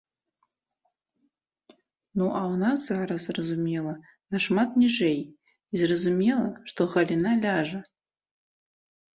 Ну, а ў нас зараз, зразумела, нашмат ніжэй і, зразумела, што галіна ляжа.